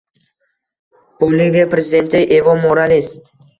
Boliviya prezidenti Evo Morales